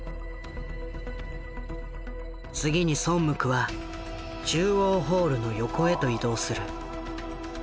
次にソンムクは中央ホールの横へと移動する。